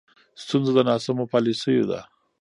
ستونزه د ناسمو پالیسیو ده.